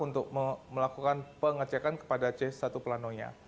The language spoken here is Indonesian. untuk melakukan pengecekan kepada c satu planonya